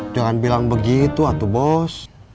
jangan bilang begitu atu bos